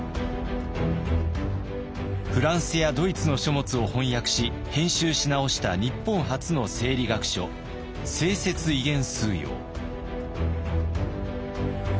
フランスやドイツの書物を翻訳し編集し直した日本初の生理学書「西説医原枢要」。